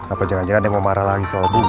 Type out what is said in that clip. apa jangan jangan dia mau marah lagi soal bunga